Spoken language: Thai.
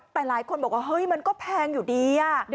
แต่หลายคนบอกว่าเฮ้ยมันก็แพงอยู่ดี